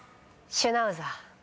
「シュナウザー」